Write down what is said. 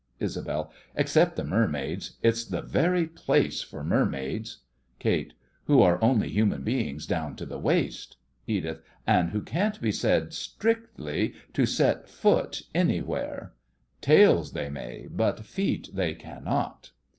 ISABEL: Except the mermaids—it's the very place for mermaids. KATE: Who are only human beings down to the waist— EDITH: And who can't be said strictly to set foot anywhere. Tails they may, but feet they cannot.